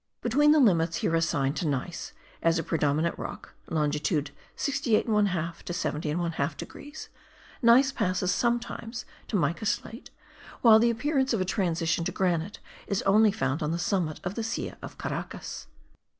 Between the limits here assigned to gneiss, as a predominant rock (longitude 68 1/2 to 70 1/2 degrees), gneiss passes sometimes to mica slate, while the appearance of a transition to granite is only found on the summit of the Silla of Caracas.